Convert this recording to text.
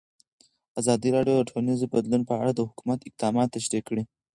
ازادي راډیو د ټولنیز بدلون په اړه د حکومت اقدامات تشریح کړي.